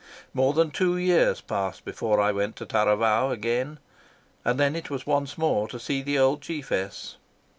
More than two years passed before I went to Taravao again, and then it was once more to see the old chiefess.